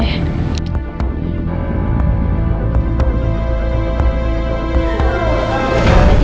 ya udah deh